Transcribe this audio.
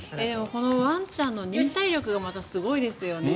このワンちゃんの忍耐力がまたすごいですよね。